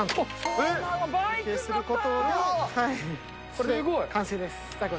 これで完成です。